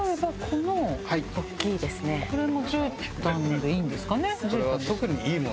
これも絨毯でいいんですかね？